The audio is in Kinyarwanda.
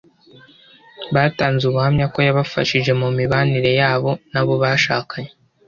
batanze ubuhamya ko yabafashije mu mibanire yabo n’abo bashakanye